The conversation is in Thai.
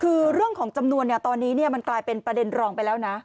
คือเรื่องของจำนวนตอนนี้มันกลายเป็นประเด็นรองไปแล้วนะ